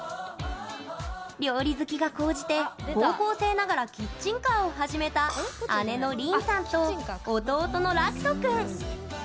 料理好きが高じて、高校生ながらキッチンカーを始めた姉のりんさんと、弟のらくと君。